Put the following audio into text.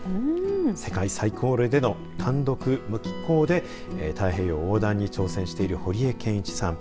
世界最高齢での単独無寄港で太平洋横断に挑戦している堀江謙一さん。